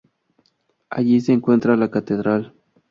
Allí se encuentra la catedral.